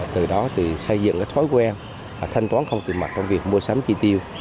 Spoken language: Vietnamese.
từ đó thì xây dựng cái thói quen thanh toán không tiền mặt trong việc mua sắm chi tiêu